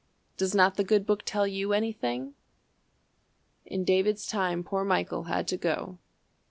Does not the good Book tell you anything? "In David's time poor Michal had to go.